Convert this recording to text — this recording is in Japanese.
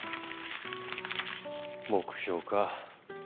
目標か。